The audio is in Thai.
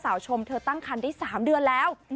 ชมเธอตั้งคันได้๓เดือนแล้ว